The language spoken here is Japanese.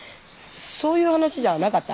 そういう話じゃなかった？